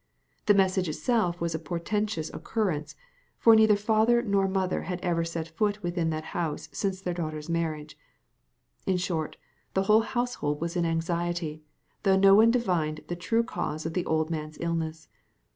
The message was itself a portentous occurrence, for neither father nor mother had ever set foot within that house since their daughter's marriage. In short, the whole household was in anxiety, though no one divined the true cause of the old man's illness.